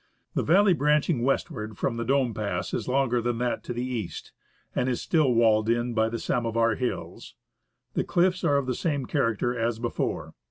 The valley branching westward from the Dome Pass is longer than that to the east, and is still walled in by the Samovar Hills. The cliffs are of the same character as before.